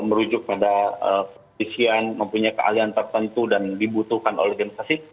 merujuk pada posisian mempunyai keahlian tertentu dan dibutuhkan oleh demokrasi